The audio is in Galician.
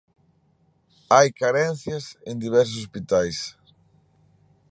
Hai carencias en diversos hospitais.